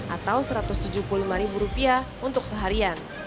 atau satu ratus tujuh puluh lima ribu rupiah untuk seharian